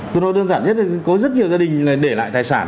tôi nói đơn giản nhất là có rất nhiều gia đình để lại tài sản